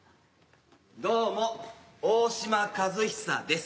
どうも大島和久です。